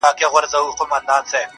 اوس خو پوره تر دوو بـجــو ويــښ يـــم,